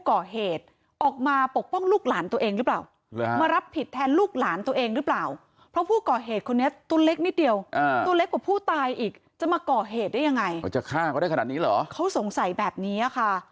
ก่อเหตุได้ยังไงเขาจะฆ่าก็ได้ขนาดนี้หรอเขาสงสัยแบบนี้ค่ะ